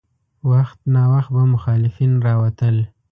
وخت ناوخت به مخالفین راوتل.